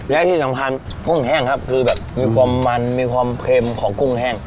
และที่สำคัญกุ้งแห้งครับคือแบบมีความมันมีความเค็มของกุ้งแห้ง